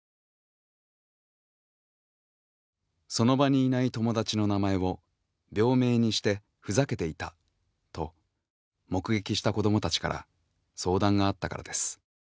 その場にいない友達の名前を病名にしてふざけていたと目撃した子どもたちから相談があったからです。